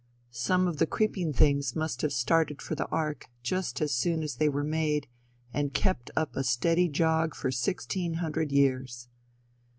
Some of the creeping things must have started for the ark just as soon as they were made, and kept up a steady jog for sixteen hundred years.